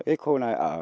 ít hộ này ở